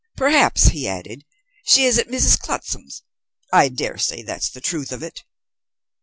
"Perhaps," he added, "she is at Mrs. Clutsam's. I daresay that's the truth of it."